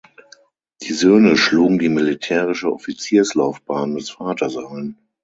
Die Söhne schlugen die militärische Offizierslaufbahn des Vaters ein.